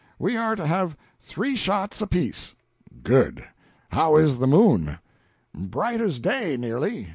We are to have three shots apiece." "Good! How is the moon?" "Bright as day, nearly.